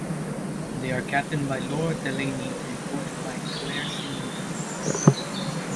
They are captained by Laura Delany and coached by Clare Shillington.